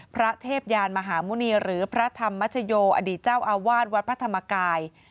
พระเทพยานมหาหมุณีหรือพระธรรมชโยอดีตเจ้าอาวาสวัดพระธรรมกาย